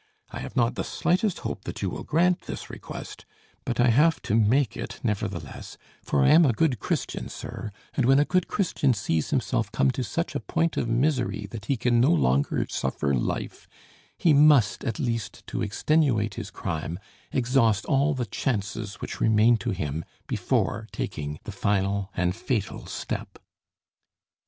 I have not the slightest hope that you will grant this request; but I have to make it, nevertheless, for I am a good Christian, sir, and when a good Christian sees himself come to such a point of misery that he can no longer suffer life, he must at least, to extenuate his crime, exhaust all the chances which remain to him before taking the final and fatal step."